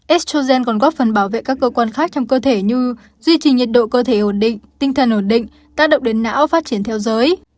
estrogen còn góp phần bảo vệ các cơ quan khác trong cơ thể như duy trì nhiệt độ cơ thể ổn định tinh thần ổn định tác động đến não phát triển theo giới